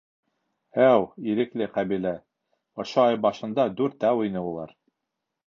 Әү, Ирекле ҡәбилә, ошо ай башында дүртәү ине улар!